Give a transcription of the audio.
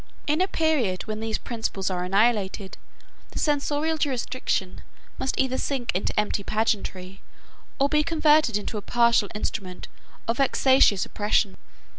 In a period when these principles are annihilated, the censorial jurisdiction must either sink into empty pageantry, or be converted into a partial instrument of vexatious oppression.